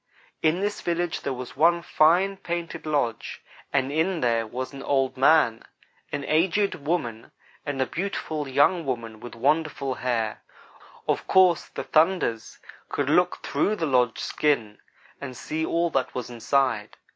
"In this village there was one fine, painted lodge, and in it there was an old man, an aged woman, and a beautiful young woman with wonderful hair. Of course the 'thunders' could look through the lodge skin and see all that was inside.